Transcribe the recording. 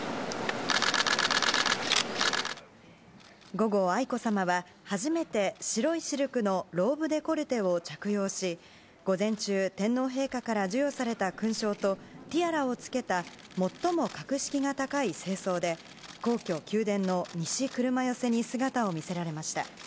午後、愛子さまは初めて白いシルクのローブデコルテを着用し午前中、天皇陛下から授与された勲章とティアラを着けた最も格式が高い正装で皇居・宮殿の西車寄に姿を見せられました。